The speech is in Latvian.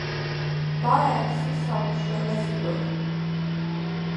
Paēdis izsalkušo nesaprot.